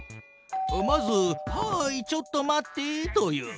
まず「はいちょっと待って」と言う。